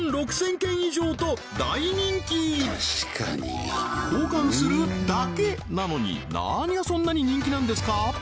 ３万６０００件以上と大人気交換するだけなのに何がそんなに人気なんですか？